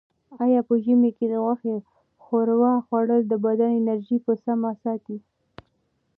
آیا په ژمي کې د غوښې ښوروا خوړل د بدن انرژي په سمه ساتي؟